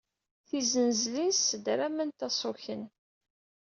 Tizenzlin ssedrament aṣuken.